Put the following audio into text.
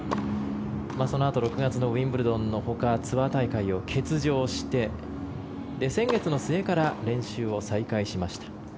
そのあと６月のウィンブルドンのほかツアー大会を欠場して先月末から練習を再開しました。